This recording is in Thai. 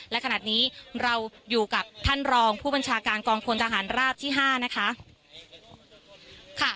และขณะนี้เราอยู่กับท่านรองผู้บัญชาการกองควรทหารราชที่ห้านะคะค่ะ